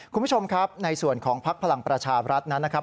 คุณผู้ชมครับในส่วนของภักดิ์พลังประชาบรัฐนั้นนะครับ